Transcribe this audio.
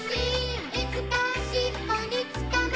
「いつかしっぽに捕まって」